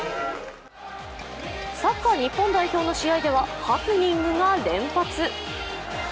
サッカー日本代表の試合では、ハプニングが連発。